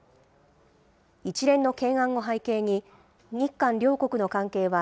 一連の懸案を背景に、日韓両国の関係は、